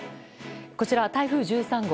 こちら、台風１３号。